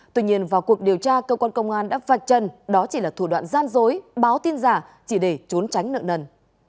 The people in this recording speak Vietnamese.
tuy nhiên vào cuộc điều tra cơ quan công an đã vạch chân đó chỉ là thủ đoạn gian dối báo tin giả chỉ để trốn tránh nợ nần